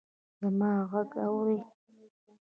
زما ږغ اورې!